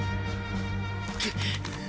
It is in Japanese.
くっ！